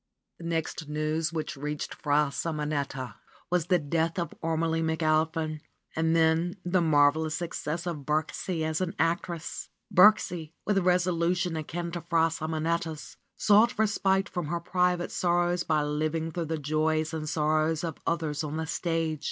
The next news which reached Fra Simonetta was the death of Ormelie McAlpin and then the marvelous suc cess of Birksie as an actress. Birksie, with resolution akin to Fra Simonetta's, sought respite from her private sorrows by living through the Joys and sorrows of others on the stage.